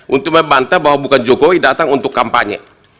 untuk membantah bahwa bukan jokowi datang untuk kampanye